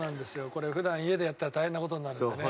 これ普段家でやったら大変な事になるんだよね。